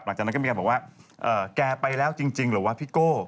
หลังจากนั้นก็มีการบอกว่าแกไปแล้วจริงหรือว่าพี่โก้